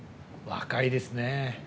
若いですね。